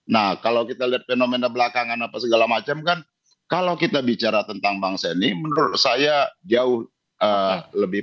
nah kalau kita lihat fenomena belakangan apa segala macam kan kalau kita bicara tentang bangsa ini menurut saya jauh lebih